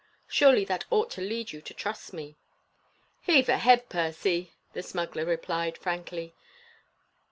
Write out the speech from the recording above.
Surely that ought to lead you to trust me." "Heave ahead, Percy!" the smuggler replied, frankly.